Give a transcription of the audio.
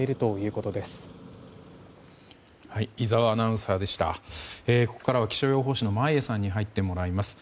ここからは気象予報士の眞家さんに入ってもらいます。